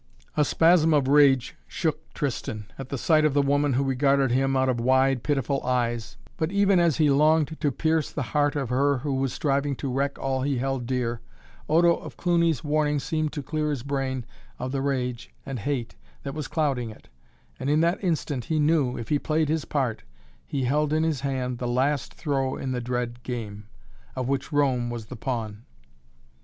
A spasm of rage shook Tristan, at the sight of the woman who regarded him out of wide, pitiful eyes, but even as he longed to pierce the heart of her who was striving to wreck all he held dear, Odo of Cluny's warning seemed to clear his brain of the rage and hate that was clouding it, and in that instant he knew, if he played his part, he held in his hand the last throw in the dread game, of which Rome was the pawn.